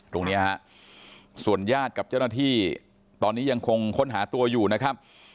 ตรงนี้ฮะส่วนญาติกับเจ้าหน้าที่ตอนนี้ยังคงค้นหาตัวอยู่นะครับ